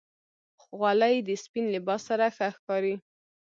خولۍ د سپین لباس سره ښه ښکاري.